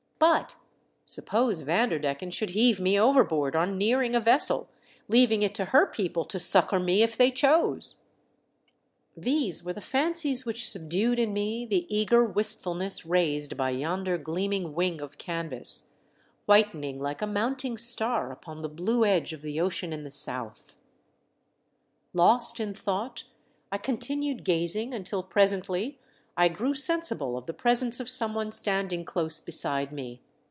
But sup pose Vanderdecken should heave me over board on nearing a vessel, leaving it to her people to succour me if they chose ! These were the fancies which subdued in me the eager wistfulness raised by yonder WE SIGHT A SHIP. 239 gleaming wing of canvas, whitening like a mounting star upon the blue edge of the ocean in the south. Lost in thought, I continued gazing until presently I grew sensible of the presence of someone standing close beside me.